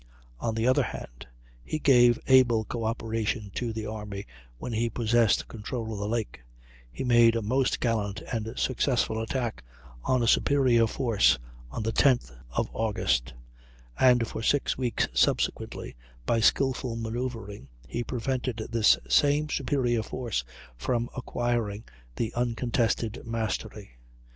On the other hand, he gave able co operation to the army while he possessed control of the lake; he made a most gallant and successful attack on a superior force on the 10th of August; and for six weeks subsequently by skilful manoeuvring he prevented this same superior force from acquiring the uncontested mastery.